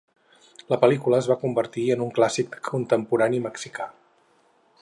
La pel·lícula es va convertir en un clàssic contemporani mexicà.